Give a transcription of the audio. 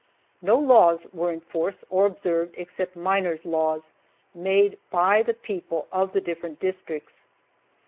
No laws were in force or observed except miners' laws made by the people of the different districts.